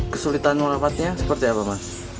kesulitan merawatnya seperti apa mas